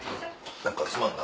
何かすまんな。